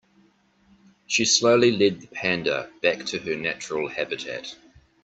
She slowly led the panda back to her natural habitat.